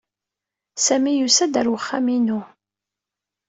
Sami yusa-d ɣer uxxam-inu.